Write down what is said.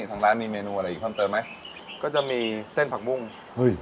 ทางร้านมีเมนูอะไรอีกเพิ่มเติมไหมก็จะมีเส้นผักบุ้งเฮ้ย